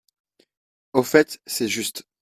Au fait, c’est juste…